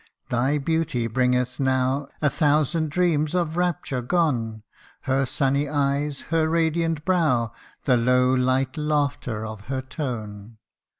thy beauty bringeth now A thousand dreams of rapture gone; Her sunny eyes, her radiant brow, The low, light laughter of her tone.